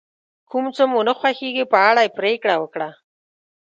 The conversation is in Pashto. کوم څه مو نه خوښیږي په اړه یې پرېکړه وکړه.